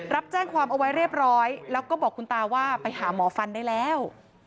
รับแจ้งความเอาไว้เรียบร้อยแล้วก็บอกคุณตาว่าไปหาหมอฟันได้แล้ว